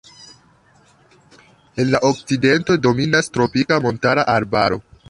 En la okcidento dominas tropika montara arbaro.